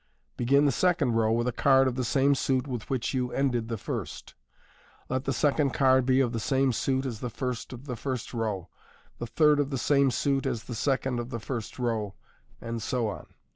Begin the second row with a card of the same suit with which you ended the first, let the second card be of the same suit as the first of the first row, the third of the same suit as the second of the first row, and so on.